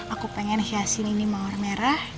aku pengen hias ini mawar merah